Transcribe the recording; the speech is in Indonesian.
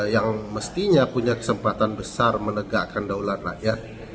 yang mestinya punya kesempatan besar menegakkan daulah rakyat